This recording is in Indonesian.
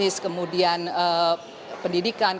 ichiman yang menjengkelis